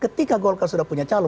ketika golkar sudah punya calon